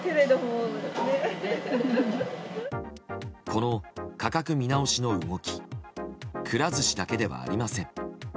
この価格見直しの動きくら寿司だけではありません。